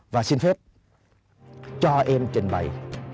và xin phép cho em trình bày